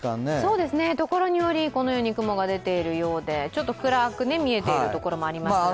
ところによりこのように雲が出ているようでちょっと暗く見えている所もありますが。